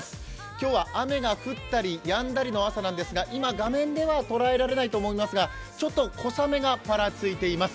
今日は雨が降ったりやんだりの朝なんですが、今、画面では捉えられないと思いますが、ちょっと小雨がパラついています。